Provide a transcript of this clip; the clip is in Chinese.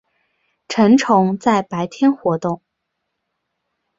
成虫在白天活动。